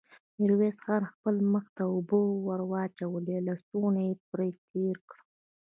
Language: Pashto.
ميرويس خان خپل مخ ته اوبه ور واچولې، لستوڼۍ يې پرې تېر کړ.